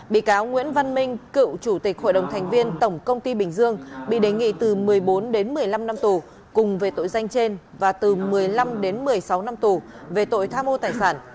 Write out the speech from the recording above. bị cáo nguyễn văn minh cựu chủ tịch hội đồng thành viên tổng công ty bình dương bị đề nghị từ một mươi bốn đến một mươi năm năm tù cùng về tội danh trên và từ một mươi năm đến một mươi sáu năm tù về tội tham ô tài sản